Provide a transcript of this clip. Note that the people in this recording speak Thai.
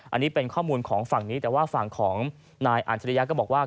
อันนี้เป็นข้อมูลของฝั่งนี้แต่ว่าฝั่งของนายอาจริยะก็บอกว่า